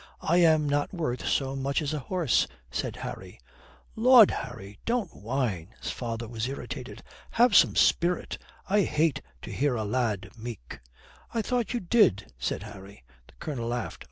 I am not worth so much as a horse," said Harry. "Lud, Harry, don't whine," his father was irritated. "Have some spirit. I hate to hear a lad meek." "I thought you did," said Harry. The Colonel laughed.